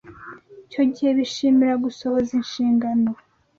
Icyo gihe bishimira gusohoza inshingano